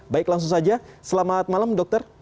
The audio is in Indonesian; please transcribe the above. baik langsung saja selamat malam dokter